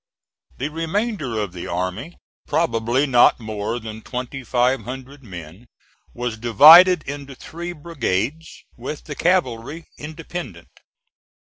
The remainder of the army, probably not more than twenty five hundred men, was divided into three brigades, with the cavalry independent.